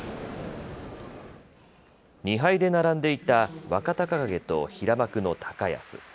２敗で並んでいた若隆景と平幕の高安。